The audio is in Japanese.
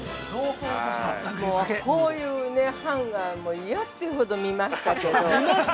◆こういうハンガー嫌っていうほど見ましたけど。